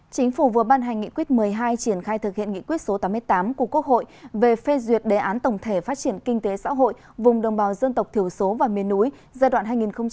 chính phủ vừa ban hành nghị quyết một mươi hai triển khai thực hiện nghị quyết số tám mươi tám của quốc hội về phê duyệt đề án tổng thể phát triển kinh tế xã hội vùng đồng bào dân tộc thiểu số và miền núi giai đoạn hai nghìn hai mươi một hai nghìn ba mươi